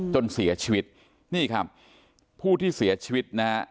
จนเสียชีวิตนี่ครับผู้ที่เสียชีวิตนะฮะ